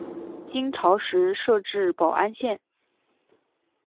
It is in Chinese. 金朝时设置保安县。